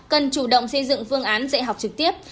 cần chủ động xây dựng phương án dạy học trực tiếp